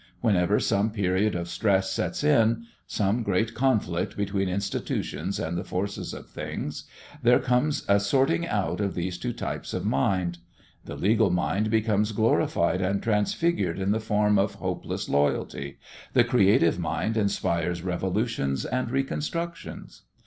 Whenever some period of stress sets in, some great conflict between institutions and the forces in things, there comes a sorting out of these two types of mind. The legal mind becomes glorified and transfigured in the form of hopeless loyalty, the creative mind inspires revolutions and reconstructions.